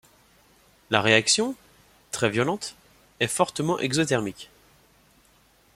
La réaction, très violente, est fortement exothermique.